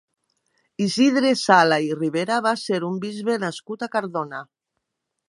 Isidre Sala i Ribera va ser un bisbe nascut a Cardona.